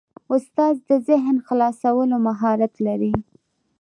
استاد د ذهن خلاصولو مهارت لري.